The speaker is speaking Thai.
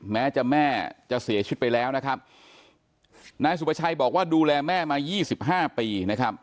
แม้จะแม่จะเสียชีวิตไปแล้วนะครับนายสุภาชัยบอกว่าดูแลแม่มายี่สิบห้าปีนะครับ